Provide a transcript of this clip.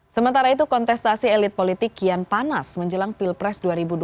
sementara itu kontestasi elit politik kian panas menjelang pilpres dua ribu dua puluh